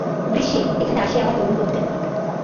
গ্রীষ্মে, এখানে আসি আমার তরুণ বন্ধুদের নিয়ে।